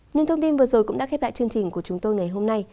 những thông tin vừa rồi cũng đã khép lại chương trình của chúng tôi ngày hôm nay